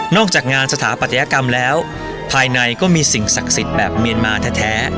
จากงานสถาปัตยกรรมแล้วภายในก็มีสิ่งศักดิ์สิทธิ์แบบเมียนมาแท้